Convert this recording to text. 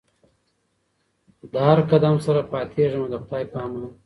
له هر قدم سره پاتېږمه د خدای په امان